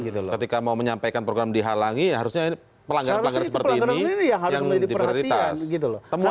ketika mau menyampaikan program dihalangi harusnya pelanggar pelanggar seperti ini yang di prioritas